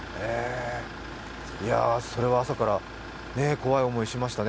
それは朝から怖い思いしましたね。